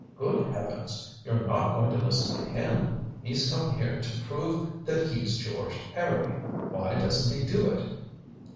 "Good heavens you're not going to listen to him? He's come here to prove that he's George Harrowby. Why doesn't he do it?"